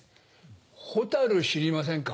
ホタル知りませんか？